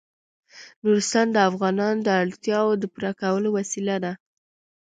نورستان د افغانانو د اړتیاوو د پوره کولو وسیله ده.